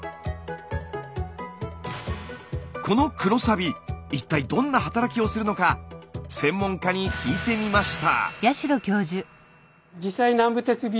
この黒サビ一体どんな働きをするのか専門家に聞いてみました。